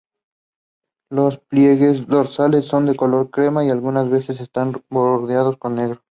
Los pliegues dorsales son de color crema y algunas veces están bordeados con negro.